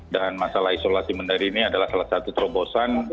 dan masalah isolasi mandiri ini adalah salah satu terobosan